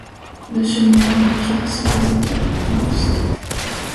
L'acheminement des pierres se faisait par l'Oust.